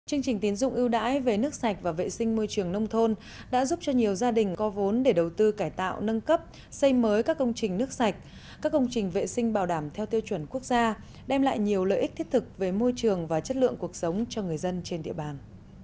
chương trình tiến dụng ưu đãi về nước sạch và vệ sinh môi trường nông thôn đã giúp cho nhiều gia đình có vốn để đầu tư cải tạo nâng cấp xây mới các công trình nước sạch các công trình vệ sinh bảo đảm theo tiêu chuẩn quốc gia đem lại nhiều lợi ích thiết thực về môi trường và chất lượng cuộc sống cho người dân trên địa bàn